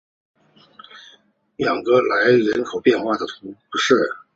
昂格莱人口变化图示